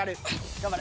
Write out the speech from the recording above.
頑張れ！